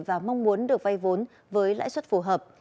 và mong muốn được vay vốn với lãi suất phù hợp